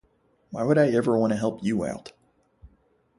Why would I ever want to help you out?